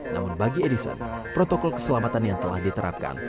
namun bagi edison protokol keselamatan yang telah diterapkan